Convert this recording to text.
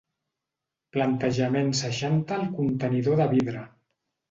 Plantejament seixanta el contenidor de vidre.